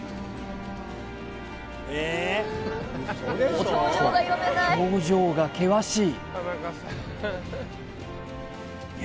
おっと表情が険しい